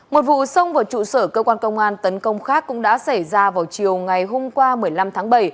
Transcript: một vụ xông vào trụ sở cơ quan công an tấn công khác cũng đã xảy ra vào chiều ngày hôm qua một mươi năm tháng bảy